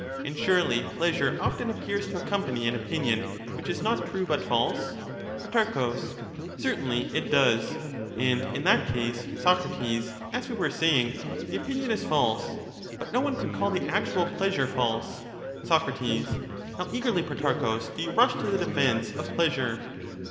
And surely pleasure often appears to accompany an opinion which is not true, but false ? Pro. Certainly it does ; and in that case, Socrates, as we 38 were saying, the opinion is false, but no one could call the actual pleasure false. Soc. How eagerly, Protarchus, do you rush to the defence of pleasure!